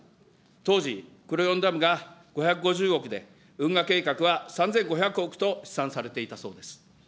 当時、くろよんダムが５５０億で、運河計画が３５００億と試算されていたそうです。